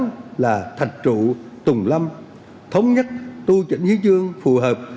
xã hội phật giáo việt nam là thạch trụ tùng lâm thống nhất tu trịnh dưới chương phù hợp